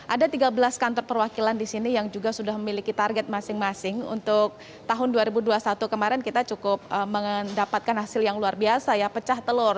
ada tiga belas kantor perwakilan di sini yang juga sudah memiliki target masing masing untuk tahun dua ribu dua puluh satu kemarin kita cukup mendapatkan hasil yang luar biasa ya pecah telur